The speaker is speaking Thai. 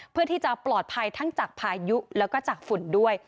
เพื่อที่จะปลอดภัยทั้งจากพายุแล้วก็จากฝุ่นด้วย